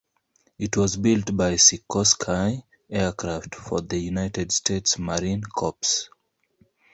It was built by Sikorsky Aircraft for the United States Marine Corps.